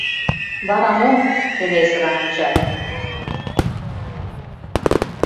Вара мо? — келесырын ончале.